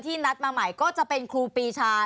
นัดมาใหม่ก็จะเป็นครูปีชา